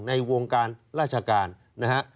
ในวงการราชการนะฮะ